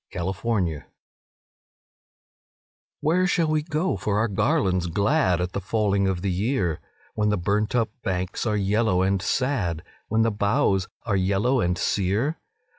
A Song of Autumn "Where shall we go for our garlands glad At the falling of the year, When the burnt up banks are yellow and sad, When the boughs are yellow and sere?